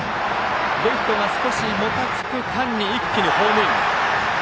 レフトがもたつく間に一気にホームイン。